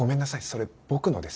それ僕のです。